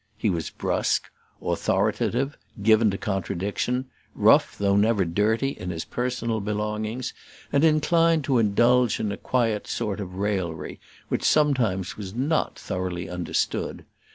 He was brusque, authoritative, given to contradiction, rough though never dirty in his personal belongings, and inclined to indulge in a sort of quiet raillery, which sometimes was not thoroughly understood.